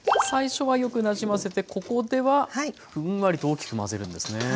最初はよくなじませてここではふんわりと大きく混ぜるんですね。